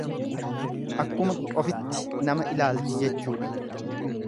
Akkuma ofitti nama ilaalti jechuudha.